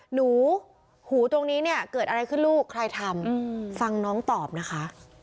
หนูหูตรงนี้เนี่ยเกิดอะไรขึ้นลูกใครทำฟังน้องตอบนะคะ